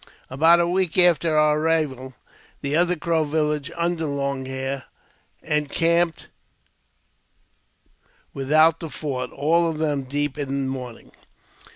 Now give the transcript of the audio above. About a week after our arrival, the other Crow village, under Long Hair, encamped without the fort, all of them deep in mourning.